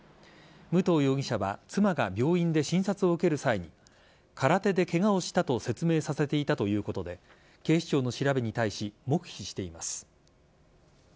武藤容疑者は妻が病院で診察を受ける際に空手でケガをしたと説明させていたということで警視庁の調べに対し黙秘しています。